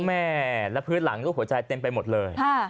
แม่และพื้นหลังรูปหัวใจเต็มไปหมดเลย